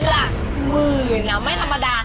หลักหมื่นไม่ธรรมดา